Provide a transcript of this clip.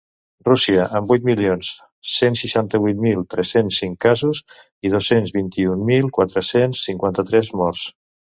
Rússia, amb vuit milions cent seixanta-vuit mil tres-cents cinc casos i dos-cents vint-i-vuit mil quatre-cents cinquanta-tres morts.